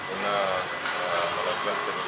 untuk melakukan penelitian lagi